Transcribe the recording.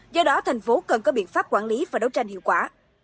do đó thành phố cần có biện pháp quản lý và đấu tranh hiệu quả